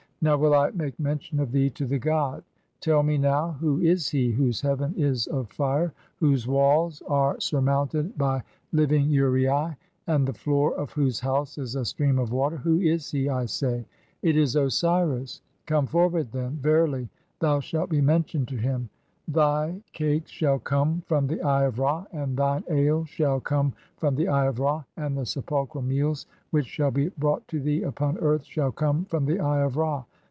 'Now "will I make mention of thee (to the god].' * '[Tell me now], "who is he 2 whose (44) heaven is of fire, whose walls [are "surmounted by] living uraei, and the floor of whose house is "a stream of water? Who is he, I say?' It is (44) Osiris. 'Come "forward, then : verily thou shalt be mentioned [to him]. Thy "cakes [shall come] from the Eye of Ra, and thine ale [shall "come] from (45) the Eye of Ra, and the sepulchral meals "[which shall be brought to thee] upon earth [shall come] from "the Eye of Ra.